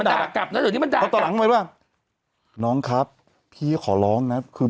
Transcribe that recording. หนูโดนทุกวัน